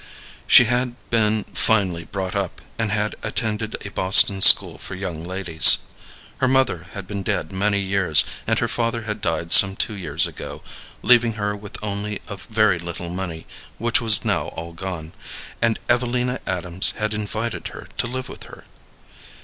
She had been finely brought up, and had attended a Boston school for young ladies. Her mother had been dead many years, and her father had died some two years ago, leaving her with only a very little money, which was now all gone, and Evelina Adams had invited her to live with her.